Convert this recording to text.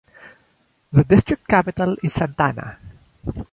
The district capital is Santana.